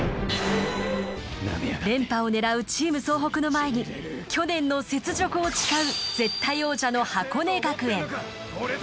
連覇を狙うチーム総北の前に去年の雪辱を誓う絶対王者の箱根学園。